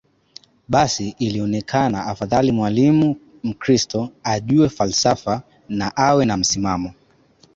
Basi ilionekana afadhali mwalimu Mkristo ajue falsafa na awe na msimamo